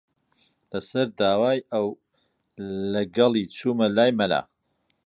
لەسەر داوای ئەو، لەگەڵی چوومە لای مەلا